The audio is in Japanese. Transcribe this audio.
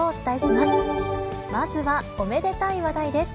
まずは、おめでたい話題です。